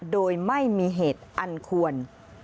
โดยไม่มีเหตุอันควร